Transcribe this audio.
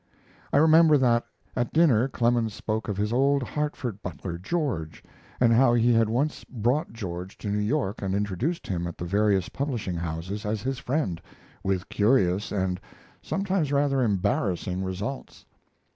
I remember that at dinner Clemens spoke of his old Hartford butler, George, and how he had once brought George to New York and introduced him at the various publishing houses as his friend, with curious and sometimes rather embarrassing results.